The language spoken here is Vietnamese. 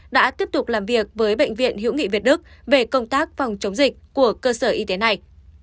đã tiếp tục làm việc với bệnh viện hữu nghị việt đức về công tác phòng chống dịch của cơ sở y tế này